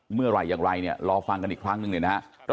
เมื่อไหร่อย่างไรรอฟังกันอีกครั้งหนึ่งเลยนะครับ